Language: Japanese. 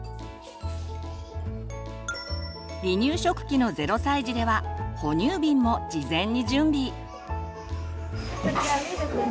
離乳食期の０歳児では哺乳瓶も事前に準備。